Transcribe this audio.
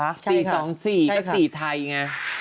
๘ไม่ต้องตัวอักษรอีกข้าง